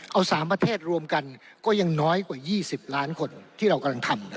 เอา๓ประเทศรวมกันก็ยังน้อยกว่า๒๐ล้านคนที่เรากำลังทำ